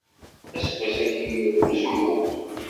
Aseggas-agi yuraw uzemmur.